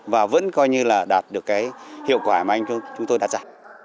và vẫn coi như là đạt được cái hiệu quả mà anh chúng tôi đặt ra